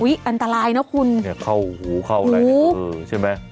อุ้ยอันตรายเนอะคุณเนี่ยเข้าหูเข้าอะไรหูใช่ไหม